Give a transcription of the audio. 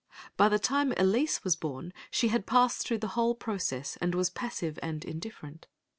By the time Elise was born she had passed through the whole process, and was passive and indifferent.